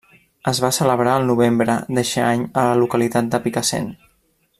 Es va celebrar al novembre d'eixe any a la localitat de Picassent.